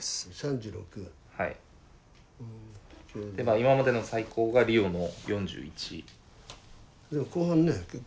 今までの最高がリオの４１。